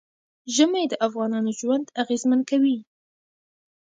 ژمی د افغانانو ژوند اغېزمن کوي.